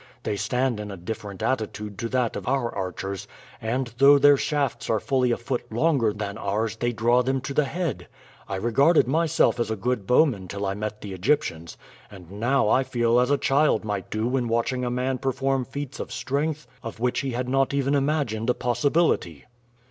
They stand in a different attitude to that of our archers, and though their shafts are fully a foot longer than ours they draw them to the head. I regarded myself as a good bowman till I met the Egyptians, and now I feel as a child might do when watching a man performing feats of strength of which he had not even imagined a possibility."